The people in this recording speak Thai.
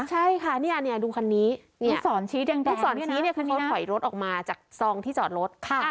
ใช่ค่ะเนี่ยเนี่ยดูคันนี้เนี่ยทุกศรชี้แดงทุกศรนี้เนี่ยคือเขาถอยรถออกมาจากซองที่จอดรถค่ะ